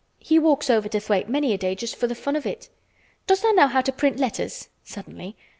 He walks over to Thwaite many a day just for th' fun of it. Does tha' know how to print letters?" suddenly.